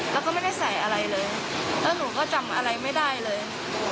แล้วก็ไม่ได้ใส่อะไรเลยแล้วหนูก็จำอะไรไม่ได้เลย